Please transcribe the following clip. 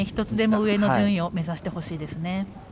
１つでも上の順位を目指してほしいです。